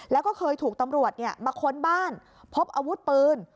แล้วก็เคยถูกตำรวจมาค้นบ้านพบอาวุธปืน